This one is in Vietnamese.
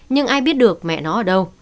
nhưng ai biết được mẹ nó ở đâu